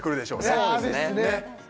そうですね